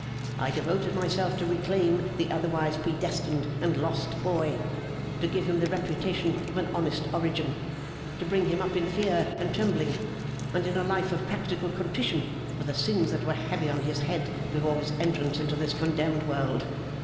I devoted myself to reclaim the otherwise predestined and lost boy; to give him the reputation of an honest origin; to bring him up in fear and trembling, and in a life of practical contrition for the sins that were heavy on his head before his entrance into this condemned world.